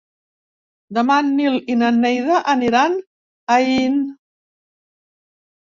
Demà en Nil i na Neida aniran a Aín.